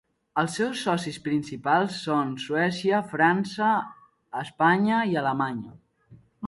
Els seus socis principals són Suècia, França, Espanya i Alemanya.